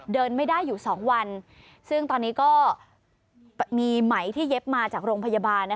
เดินไม่ได้อยู่๒วันซึ่งตอนนี้ก็มีไหมที่เย็บมาจากโรงพยาบาล